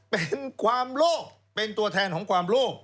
เป็นความโลกเป็นตัวแทนของความโลภ